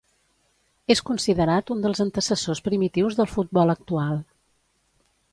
És considerat un dels antecessors primitius del futbol actual.